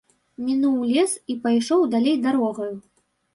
Мінуў лес і пайшоў далей дарогаю.